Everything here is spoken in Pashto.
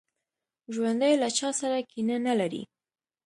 ژوندي له چا سره کینه نه لري